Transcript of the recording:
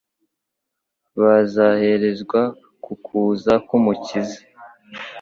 bazareherezwa ku kuza k'Umukiza.